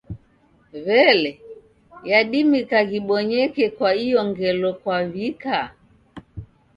W'elee, yadimika ghibonyeke kwa iyo ngelo kwaw'ika?